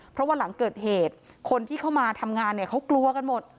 เพราะว่าหลังเกิดเหตุคนที่เข้ามาทำงานเนี่ยเขากลัวกันหมด